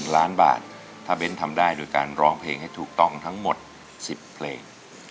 ล้านบาทถ้าเบ้นทำได้โดยการร้องเพลงให้ถูกต้องทั้งหมด๑๐เพลง